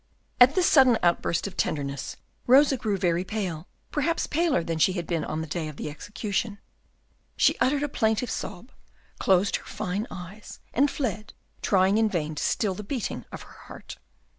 At this sudden outburst of tenderness, Rosa grew very pale, perhaps paler than she had been on the day of the execution. She uttered a plaintive sob, closed her fine eyes, and fled, trying in vain to still the beating of her heart.